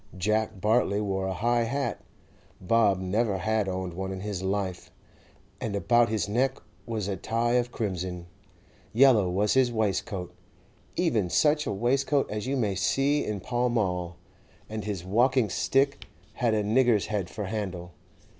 Jack Bartley wore a high hat—Bob never had owned one in his life—and about his neck was a tie of crimson; yellow was his waistcoat, even such a waistcoat as you may see in Pall Mall, and his walking stick had a nigger's head for handle.